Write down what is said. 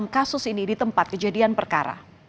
enam kasus ini di tempat kejadian perkara